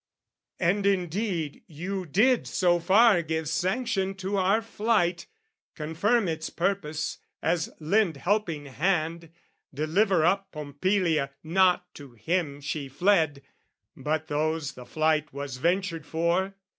And indeed You did so far give sanction to our flight, Confirm its purpose, as lend helping hand, Deliver up Pompilia not to him She fled, but those the flight was ventured for.